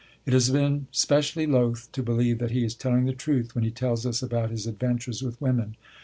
It has been specially loth to believe that he is telling the truth when he tells us about his adventures with women.